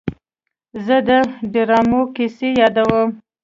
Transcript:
زه د ډرامو کیسې یادوم.